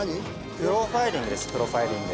プロファイリングですプロファイリング。